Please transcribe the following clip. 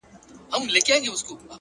پرمختګ د آرامۍ له پولې بهر وي.